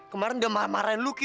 kemaren udah marah marahin luki